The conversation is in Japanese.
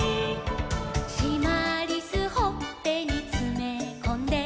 「しまりすほっぺにつめこんで」